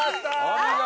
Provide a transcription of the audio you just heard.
お見事。